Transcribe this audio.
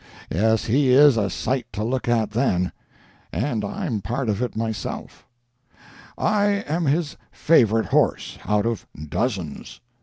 Yes, he is a sight to look at then—and I'm part of it myself. I am his favorite horse, out of dozens.